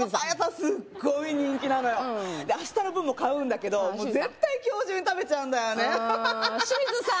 すっごい人気なのよ明日の分も買うんだけど絶対今日中に食べちゃうんだよねシミズさん！